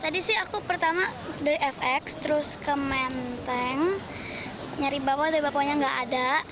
tadi sih aku pertama dari fx terus ke menteng nyari bawa dari bapaknya nggak ada